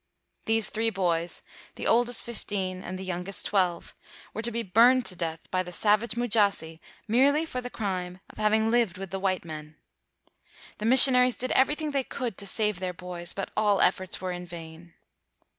These three boys, the oldest fifteen and 213 WHITE MAN OF WORK the youngest twelve, were to be burned to death by the savage Mujasi merely for the crime of having lived with the white men. The missionaries did everything they could to save their boys; but all efforts were in vain.